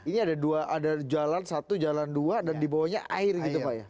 ini ada dua ada jalan satu jalan dua dan di bawahnya air gitu pak ya